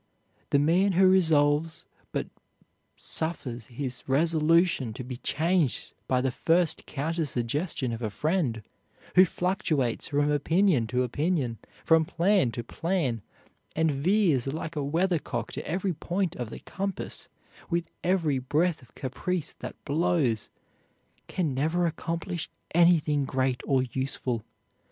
The man who resolves, but suffers his resolution to be changed by the first counter suggestion of a friend who fluctuates from opinion to opinion, from plan to plan, and veers like a weather cock to every point of the compass, with every breath of caprice that blows, can never accomplish anything great or useful.